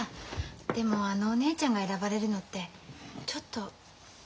でもあのお姉ちゃんが選ばれるのってちょっとうそっぽくない？